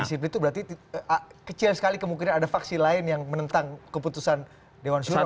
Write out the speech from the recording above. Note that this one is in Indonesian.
disiplin itu berarti kecil sekali kemungkinan ada faksi lain yang menentang keputusan dewan